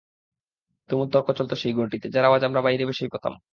তুমুল তর্ক চলত সেই ঘরটিতে, যার আওয়াজ আমরা বাইরে বসে পেতাম।